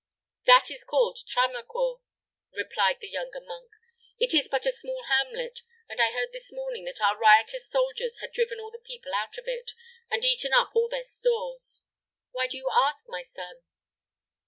"That is called Tramecourt," replied the younger monk. "It is but a small hamlet; and I heard this morning that our riotous soldiers had driven all the people out of it, and eaten up all their stores. Why do you ask, my son?"